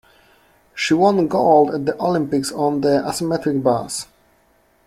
She won gold at the Olympics on the asymmetric bars